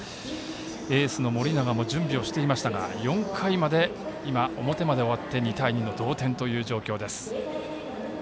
エースの盛永も準備をしていましたが４回表まで終わって２対２の同点という状況です。